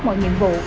mọi nhiệm vụ